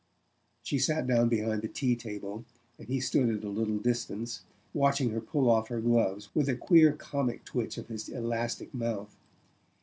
She sat down behind the tea table, and he stood at a little distance, watching her pull off her gloves with a queer comic twitch of his elastic mouth.